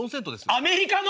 アメリカの？